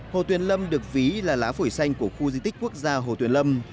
hồ tuyền lâm được ví là lá phổi xanh của khu di tích quốc gia hồ tuyền lâm